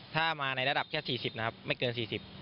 ถ้ามาในระดับแค่๔๐ไม่เกิน๔๐